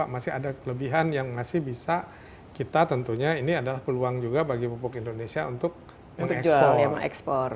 masih ada kelebihan yang masih bisa kita tentunya ini adalah peluang juga bagi pupuk indonesia untuk ekspor